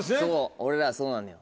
俺らはそうなのよ。